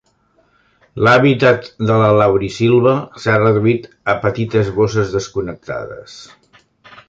L'hàbitat de la laurisilva s'ha reduït a petites bosses desconnectades.